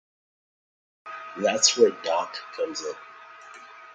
That's where Doc comes in.